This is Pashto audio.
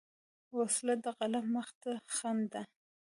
وسله د قلم مخ ته خنډ ده